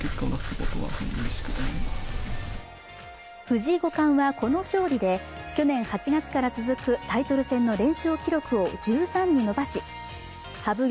藤井五冠はこの勝利で去年８月から続くタイトル戦の連勝記録を１３に伸ばし羽生